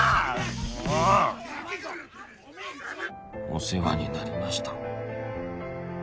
お世話になりました